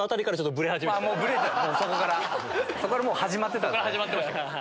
そこからもう始まってたんですね。